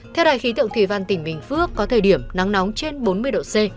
theo đài khí tượng thủy văn tỉnh bình phước có thời điểm nắng nóng trên bốn mươi độ c